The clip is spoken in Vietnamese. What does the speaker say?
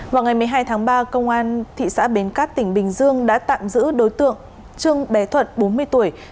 vào ngày một mươi hai tháng ba công an thị xã bến cát tỉnh bình dương đã tạm giữ đối tượng trương bé thuận bốn mươi tuổi